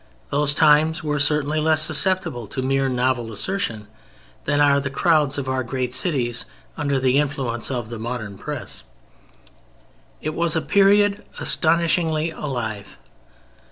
Those times were certainly less susceptible to mere novel assertion than are the crowds of our great cities under the influence of the modern press. It was a period astonishingly alive.